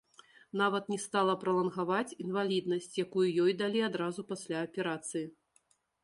Нават не стала пралангаваць інваліднасць, якую ёй далі адразу пасля аперацыі.